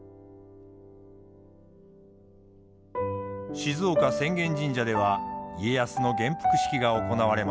静岡浅間神社では家康の元服式が行われました。